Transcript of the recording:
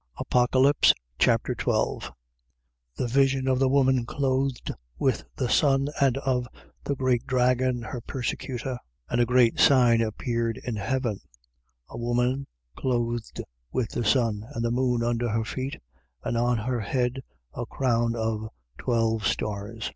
Apocalypse Chapter 12 The vision of the woman clothed with the sun and of the great dragon her persecutor. 12:1. And a great sign appeared in heaven: A woman clothed with the sun, and the moon under her feet, and on her head a crown of twelve stars.